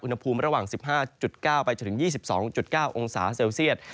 อุณหภูมิระหว่าง๑๕๙ไปจนถึง๒๒๙องศาเซลเซียต